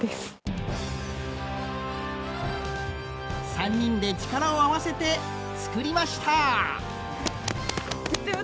３人で力を合わせて作りました！